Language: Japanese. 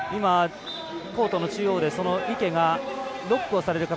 コートの中央で池がロックをされる形。